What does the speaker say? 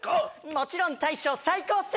もちろん大将最高さ！